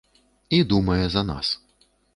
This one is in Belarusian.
І думае за нас.